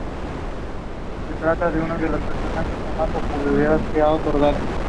The local time is also given.